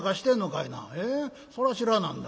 そら知らなんだ。